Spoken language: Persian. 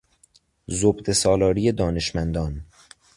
زبدهسالاری دانشمندان